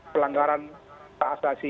pelanggaran tak asasi